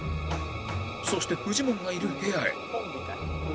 そしてフジモンがいる部屋へ